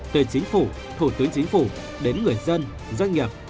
từ chính phủ thủ tướng chính phủ đến người dân doanh nghiệp